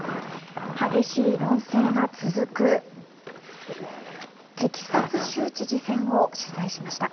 激しい論戦が続くテキサス州知事選を取材しました。